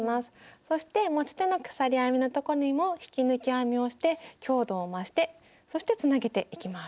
そして持ち手の鎖編みのとこにも引き抜き編みをして強度を増してそしてつなげていきます。